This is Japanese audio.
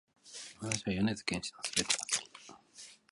私は米津玄師の全てが好きだ